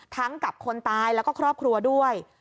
กับคนตายแล้วก็ครอบครัวด้วย